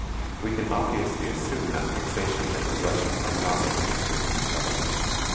We can obviously assume that fixation and regression are not independent of each other.